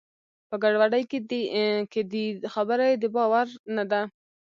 په ګډوډۍ کې دی؛ خبره یې د باور نه ده.